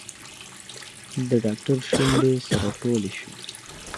د ډاکتر شونډې سره ټولې شوې.